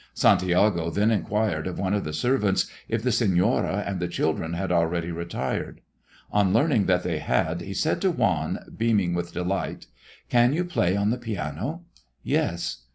Santiago then inquired of one of the servants if the Señora and the children had already retired. On learning that they had, he said to Juan, beaming with delight, "Can you play on the piano?" "Yes."